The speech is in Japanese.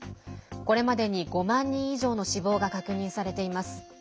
これまでに５万人以上の死亡が確認されています。